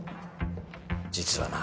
実はな